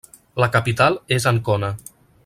La capital és Ancona.